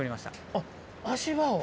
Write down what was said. あっ足場を？